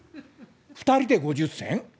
２人で５０銭？